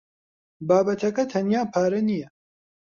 بابەتەکە تەنیا پارە نییە.